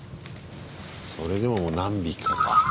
それでも何匹かか。